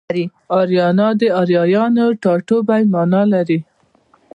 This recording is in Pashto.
اریانا د اریایانو ټاټوبی مانا لري